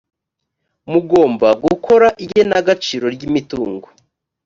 mugomba gukora igenagaciro ry imitungo.